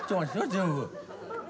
全部。